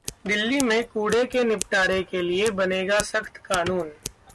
दिल्ली मे कूड़े के निपटारे के लिए बनेगा सख्त कानून